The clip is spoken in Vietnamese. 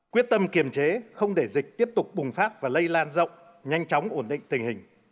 quyết tâm kiềm chế không để dịch tiếp tục bùng phát và lây lan rộng nhanh chóng ổn định tình hình